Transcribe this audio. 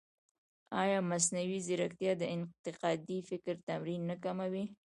ایا مصنوعي ځیرکتیا د انتقادي فکر تمرین نه کموي؟